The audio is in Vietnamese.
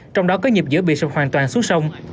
trong đó có nhịp giữa bị sập hoàn toàn xuống sông